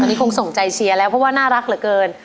อันนี้คงส่งใจเชียร์แล้วเพราะว่าน่ารักเหลือเกิน